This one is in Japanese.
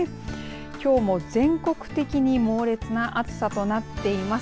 きょうも全国的に猛烈な暑さとなっています。